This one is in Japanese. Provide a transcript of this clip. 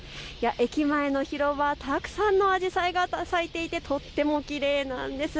駅前の広場、たくさんのアジサイが咲いていてとてもきれいなんです。